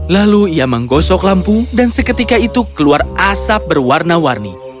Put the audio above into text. lalu ia menggosok lampu dan seketika itu keluar asap berwarna warni